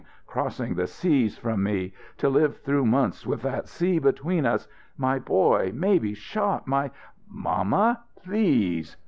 Crossing the seas from me! To live through months with that sea between us my boy maybe shot my " "Mamma, please!"